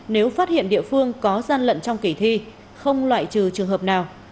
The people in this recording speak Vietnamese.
nếu phát hiện địa phương có gian lận trong kỳ thi không loại trừ trường hợp nào